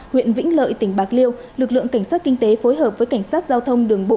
huyện vĩnh lợi tỉnh bạc liêu lực lượng cảnh sát kinh tế phối hợp với cảnh sát giao thông đường bộ